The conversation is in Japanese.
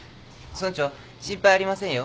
村長心配ありませんよ。